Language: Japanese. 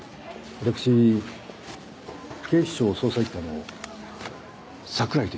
私警視庁捜査一課の桜井といいます。